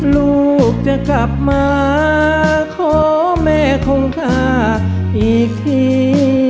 ลูกจะกลับมาขอแม่ของข้าอีกที